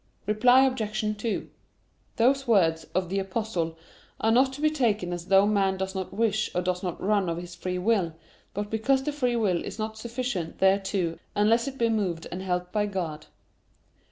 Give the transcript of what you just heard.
Reply Obj. 2: Those words of the Apostle are not to be taken as though man does not wish or does not run of his free will, but because the free will is not sufficient thereto unless it be moved and helped by God.